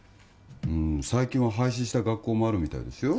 うーん最近は廃止した学校もあるみたいですよ